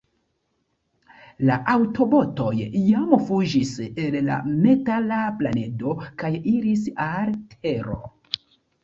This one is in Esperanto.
La aŭtobotoj jam fuĝis el la metala planedo kaj iris al Tero.